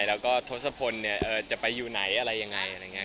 พักนี้จะเป็นยังไง